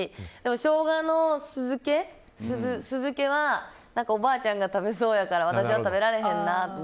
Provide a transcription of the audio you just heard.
しょうがの酢漬けはおばあちゃんが食べそうやから私は食べられへんなと。